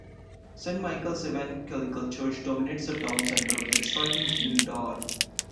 Saint Michael's Evangelical Church dominates the town center with its striking green tower.